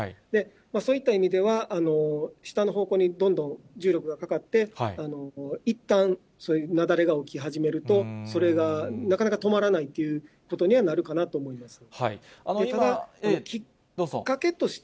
そういった意味では、下の方向にどんどん重力がかかって、いったん雪崩が起き始めると、それがなかなか止まらないということにはなるかなと思います。